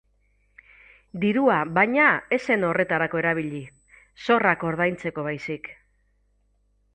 Dirua, baina, ez zen horretarako erabili, zorrak ordaintzeko baizik.